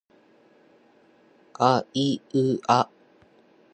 あいうあ